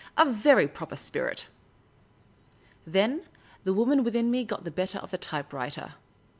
A very proper spirit !" Then the Woman within me got the better of the Type writer.